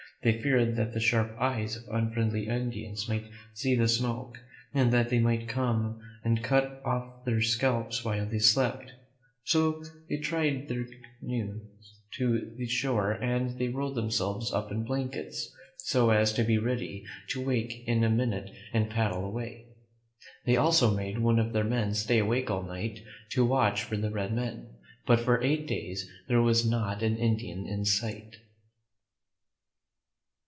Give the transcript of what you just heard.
They feared that the sharp eyes of unfriendly Indians might see the smoke, and that they might come and cut off their scalps while they slept ; so they tied their canoes to the shore and they rolled themselves up in blankets, so as to be ready to wake in a minute and paddle away. They also made one of their men stay awake all night to watch for the red men; but for eight days there was not an Indian in sight.